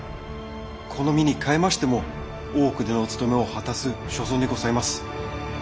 この身にかえましても大奥でのお務めを果たす所存にございます！